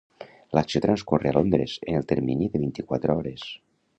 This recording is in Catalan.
L'acció transcorre a Londres en el termini de vint-i-quatre hores.